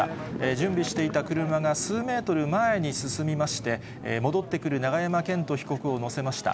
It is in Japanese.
準備していた車が数メートル前に進みまして、戻ってくる永山絢斗被告を乗せました。